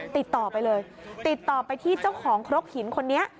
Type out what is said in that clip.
ติดต่อไปเลยติดต่อไปที่เจ้าของครกหินคนนี้